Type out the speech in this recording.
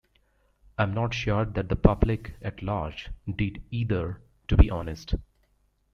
I'm not sure that the public at large did either, to be honest.